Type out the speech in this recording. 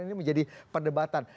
ini menjadi perdebatan